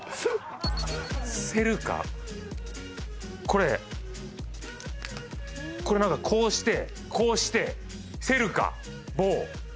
これこれなんかこうしてこうしてセルカ棒。